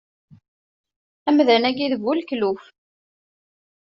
Amdan-agi d bu lekluf.